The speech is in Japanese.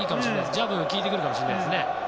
ジャブが効いてくるかもしれないですね。